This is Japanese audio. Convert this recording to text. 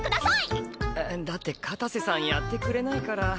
だって片瀬さんやってくれないから。